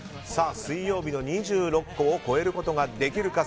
水曜日の２６個を超えることができるのか。